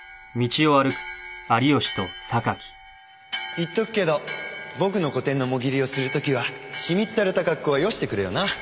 言っとくけど僕の個展のモギリをするときはしみったれた格好はよしてくれよな。